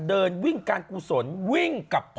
เดินวิ่งการกุศลวิ่งกับพ่อ